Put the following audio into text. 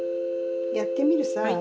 やってみるさ。